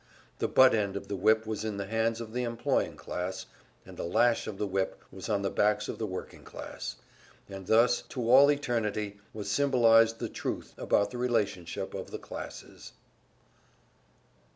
The butt end of the whip was in the hands of the employing class, and the lash of the whip was on the backs of the working class, and thus to all eternity was symbolized the truth about the relationship of the classes!"